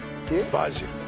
バジル。